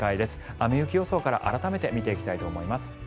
雨・雪予想から改めて見ていきたいと思います。